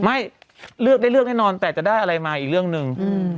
ไม่เลือกได้เลือกแน่นอนแต่จะได้อะไรมาอีกเรื่องหนึ่ง